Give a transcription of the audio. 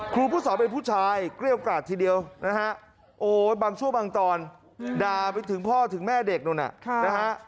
ครูผู้สอนเป็นผู้ชายเกรี้ยวกราดทีเดียวนะฮะโอ้บางช่วงบางตอนด่าไปถึงพ่อถึงแม่เด็กนู่นน่ะนะฮะ